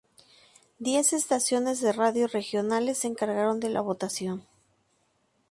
Diez estaciones de radio regionales se encargaron de la votación.